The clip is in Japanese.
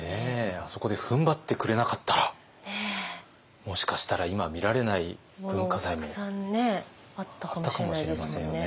あそこでふんばってくれなかったらもしかしたら今見られない文化財もあったかもしれませんよね。